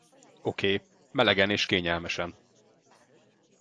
Oké, melegen és kényelmesen.